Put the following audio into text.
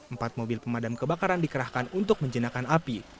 empat mobil pemadam kebakaran dikerahkan untuk menjenakan api